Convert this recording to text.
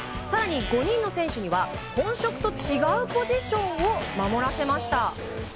更に５人の選手には本職と違うポジションを守らせました。